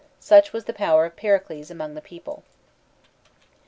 Such was the power of Pericles among the people.